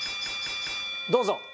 どうぞ。